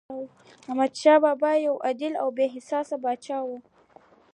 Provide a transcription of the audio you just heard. احمدشاه بابا یو عادل او بااحساسه پاچا و.